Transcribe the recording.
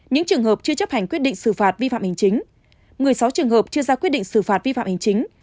những trường hợp chưa chấp hành quyết định xử phạt vi phạm hành chính một mươi sáu trường hợp chưa ra quyết định xử phạt vi phạm hành chính